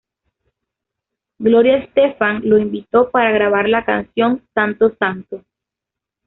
Gloria Estefan lo invitó para grabar la canción "Santo Santo".